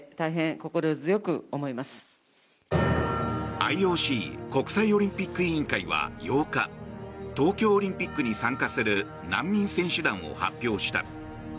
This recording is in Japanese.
ＩＯＣ・国際オリンピック委員会は８日東京オリンピックに参加する難民選手団を発表した。